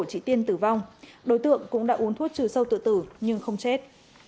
chị tiên tử vong đối tượng cũng đã uống thuốc trừ sâu tự tử nhưng không chết